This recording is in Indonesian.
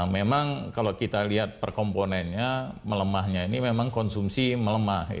memang kalau kita lihat perkomponennya melemahnya ini memang konsumsi melemah